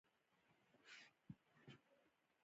تر هغې چې د هغه بدن د تبې په اور کې سوځېده.